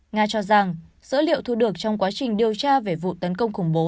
nga cho rằng dữ liệu thu được trong quá trình điều tra về vụ tấn công khủng bố